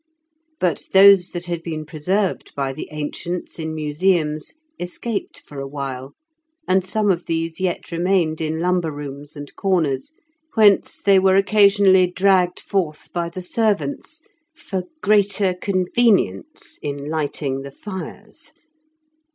But those that had been preserved by the ancients in museums escaped for a while, and some of these yet remained in lumber rooms and corners, whence they were occasionally dragged forth by the servants for greater convenience in lighting the fires.